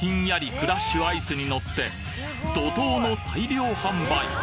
クラッシュアイスに乗って怒涛の大量販売！